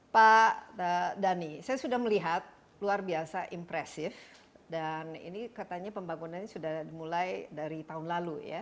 pak dhani saya sudah melihat luar biasa impresif dan ini katanya pembangunannya sudah dimulai dari tahun lalu ya